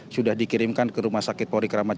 sudah dikirimkan ke rumah sakit polri kramat